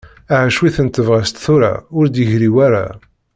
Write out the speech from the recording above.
Aha cwiṭ n tebɣest tura ur d-yegri wara.